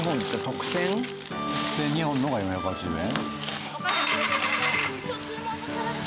特選２本のが４８０円？